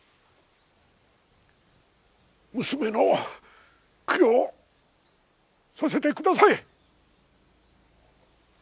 娘の供養をさせてください。